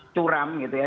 curam gitu ya